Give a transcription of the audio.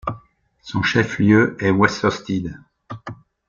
Son chef-lieu est Westerstede.